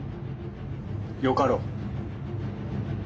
よかろう。